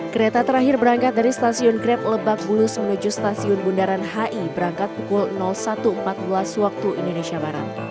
kereta terakhir berangkat dari stasiun grab lebak bulus menuju stasiun bundaran hi berangkat pukul satu empat belas waktu indonesia barat